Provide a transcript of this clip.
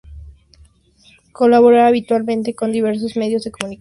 Colabora habitualmente con diversos medios de comunicación